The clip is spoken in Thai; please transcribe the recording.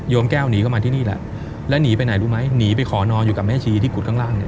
แก้วหนีเข้ามาที่นี่แหละแล้วหนีไปไหนรู้ไหมหนีไปขอนอนอยู่กับแม่ชีที่กุฎข้างล่างเนี่ย